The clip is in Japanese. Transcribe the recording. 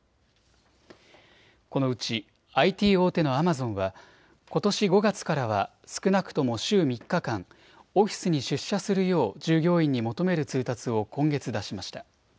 このうちＩＴ大手のアマゾンはことし５月からは少なくとも週３日間オフィスに出社するよう従業員に求める通達を今月出しました。